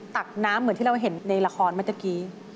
ตักน้ำเหมือนที่เราเห็นในละครเมื่อตะกี้